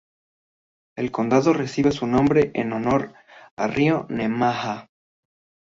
El condado recibe su nombre en honor a río Nemaha.